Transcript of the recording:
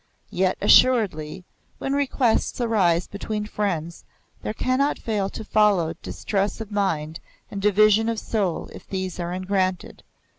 Yet assuredly, when requests arise between friends, there cannot fail to follow distress of mind and division of soul if these are ungranted.